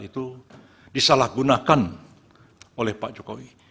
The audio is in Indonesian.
itu disalahgunakan oleh pak jokowi